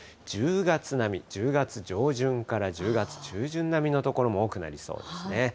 １０月並み、１０月上旬から１０月中旬並みの所も多くなりそうですね。